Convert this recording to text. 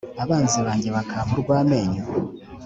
abanzi banjye bakampa urw’amenyo?